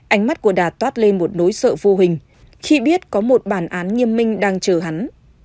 ánh mắt của đà toát lên một nối sợ vô hình khi biết có một bản án nghiêm minh đang chờ hắn